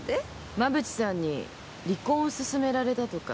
馬渕さんに離婚を勧められたとか？